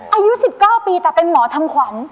อายุ๑๙ปีแต่เป็นหมอทำขวัญ